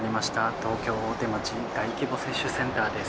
東京・大手町大規模接種センターです。